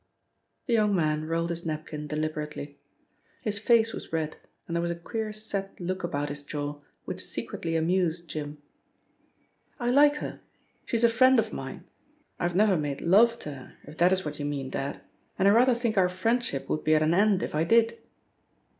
The young man rolled his napkin deliberately. His face was red and there was a queer set look about his jaw which secretly amused Jim. "I like her. She is a friend of mine. I've never made love to her, if that is what you mean, dad, and I rather think our friendship would be at an end if I did."